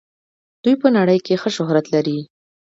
دوی په نړۍ کې ښه شهرت لري.